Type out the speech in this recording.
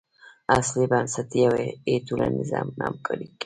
اصلي بنسټ یې ټولنیزه نه همکاري ده.